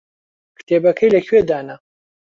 کتێبەکەی لەکوێ دانا؟